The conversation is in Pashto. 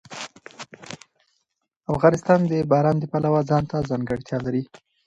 افغانستان د باران د پلوه ځانته ځانګړتیا لري.